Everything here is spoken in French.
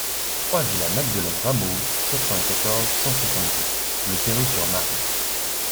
trois villa Magdeleine Rameau, quatre-vingt-quatorze, cent soixante-dix, Le Perreux-sur-Marne